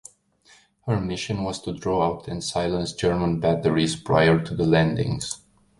Her mission was to draw out and silence German batteries prior to the landings.